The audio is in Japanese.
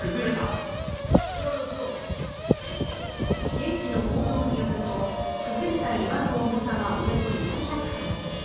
現地の報道によると崩れた岩の重さはおよそ４００トン。